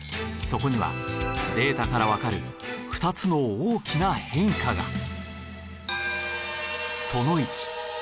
そこにはデータからわかる２つの大きな変化が。